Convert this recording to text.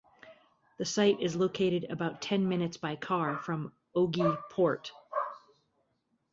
The site is located about ten minutes by car from Ogi Port.